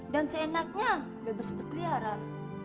dan seenaknya bebas berkeliaran